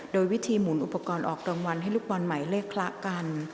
โดยวิธีหมุนอุปกรณ์ออกรางวัลให้ลูกบอลใหม่เลขคละกัน